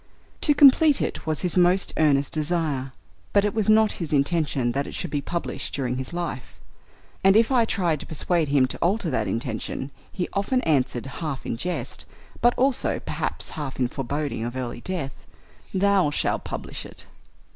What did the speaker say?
To complete it was his most earnest desire; but it was not his intention that it should be published during his life; and if I tried to persuade him to alter that intention, he often answered, half in jest, but also, perhaps, half in a foreboding of early death: "Thou shalt publish it."